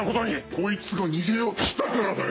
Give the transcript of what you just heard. こいつが逃げようとしたからだよ！